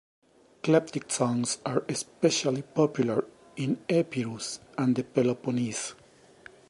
Klephtic songs are especially popular in Epirus and the Peloponnese.